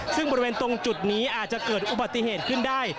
ซึ่งบริเวณตรงจุดนี้อาจจะเกิดอุบัติเหตุขึ้นได้